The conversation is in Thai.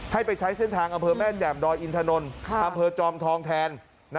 ให้ไปใช้เส้นทางอำเภอแม่แจ่มดอยอินถนนอำเภอจอมทองแทน